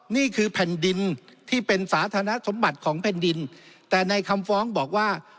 นี่คือแผ่นดินที่เป็นสาธารณสมบัติของแผ่นดินแต่ในคำฟ้องบอกว่า